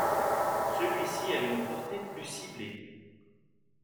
Celui-ci a une portée plus ciblée.